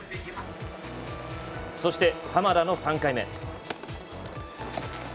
そして濱田の３回目。